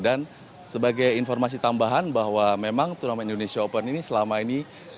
dan sebagai informasi tambahan bahwa memang turnamen indonesia open ini selama ini diberikan